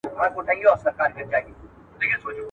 نجلۍ خواست مي درته کړی چي پر سر دي منګی مات سي.